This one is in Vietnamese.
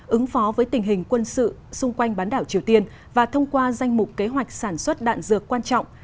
ứng phó với tình hình quân sự xung quanh bán đảo triều tiên và thông qua danh mục kế hoạch sản xuất đạn dược quan trọng